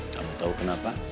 kamu tau kenapa